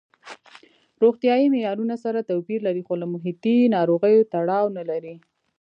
روغتیايي معیارونه سره توپیر لري خو له محیطي ناروغیو تړاو نه لري.